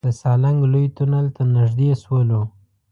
د سالنګ لوی تونل ته نزدې شولو.